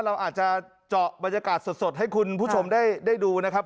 เราอาจจะเจาะบรรยากาศสดให้คุณผู้ชมได้ดูนะครับ